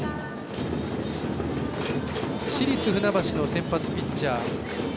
市立船橋の先発ピッチャー